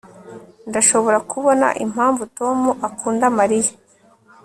Ndashobora kubona impamvu Tom akunda Mariya